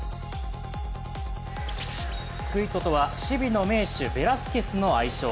スクイッドとは、守備の名手ベラスケスの愛称